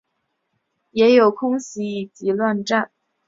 也有空袭以及战乱